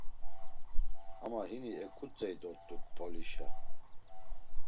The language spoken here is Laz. Ama hini eǩutzey dort̆u Mp̌olişa.